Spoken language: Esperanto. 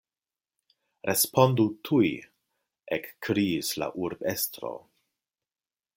Respondu tuj! ekkriis la urbestro.